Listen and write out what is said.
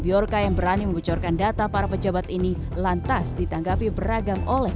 biarca yang berani membocorkan data para pejabat ini lantas ditanggapi beragam oleh